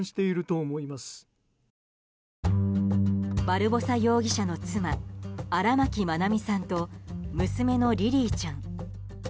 バルボサ容疑者の妻・荒牧愛美さんと娘のリリィちゃん。